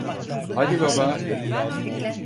Hadi baba.